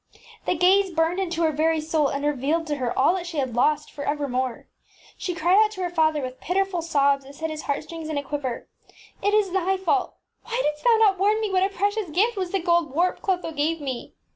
The gaze burned into her very soul and revealed to her all that she had lost for evermore. She Ufa MJeabetss cried out to her father with pitiful sobs that set his heartstrings in a quiver, ŌĆś It is thy fault ! Why didst thou not warn me what a precious gift was the gold warp Clotho gave me